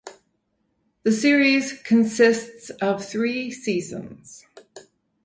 The series consists of three seasons.